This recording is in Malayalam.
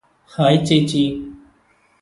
ഹായ് ചേച്ചി